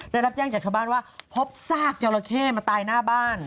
ได้รับแจ้งจากชาวบ้านว่าพบซากจราเข้มาตายหน้าบ้าน